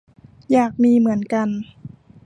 อยากมีเหมือนกัน